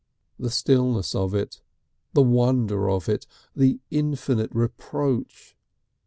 The stillness of it! the wonder of it! the infinite reproach!